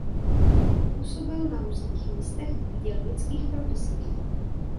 Působil na různých místech v dělnických profesích.